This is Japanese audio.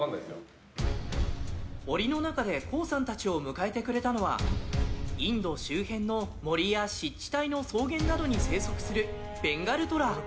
檻の中でＫＯＯさんたちを迎えてくれたのはインド周辺の森や湿地帯の草原などに生息するベンガルトラ。